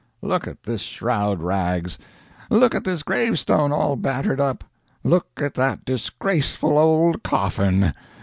Look at this shroud rags. Look at this gravestone, all battered up. Look at that disgraceful old coffin.